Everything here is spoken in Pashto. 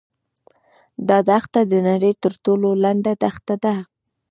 دا دښته د نړۍ تر ټولو لنډه دښته ده.